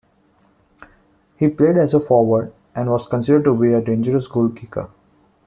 He played as a forward and was considered to be a dangerous goalkicker.